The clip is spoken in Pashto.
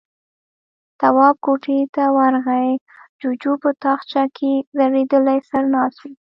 تواب کوټې ته ورغی، جُوجُو په تاخچه کې ځړېدلی سر ناست و.